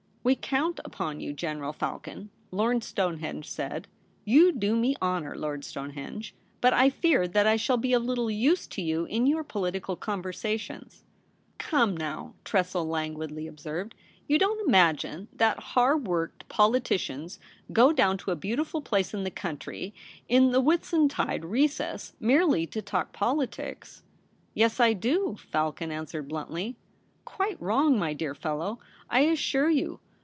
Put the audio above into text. ' We count upon you, General Falcon,' Lord Stonehenge said. * You do me honour, Lord Stonehenge ; but I fear that I shall be of little use to you in your political conversations.' ' Come now,' Tressel languidly observed, * you don't imagine that hard worked politi cians go down to a beautiful place in the country in the Whitsuntide recess merely to talk politics.' ' Yes, I do,' Falcon answered bluntly. ' Quite wrong, my dear fellow, I assure you.